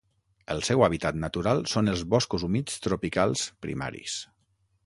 El seu hàbitat natural són els boscos humits tropicals primaris.